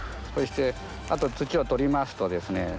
そしてあと土を取りますとですね